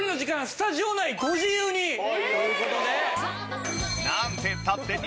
スタジオ内ご自由にという事で。